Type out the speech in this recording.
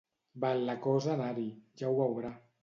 Val la cosa anar-hi, ja ho veurà.